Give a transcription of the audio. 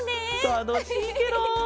たのしいケロ！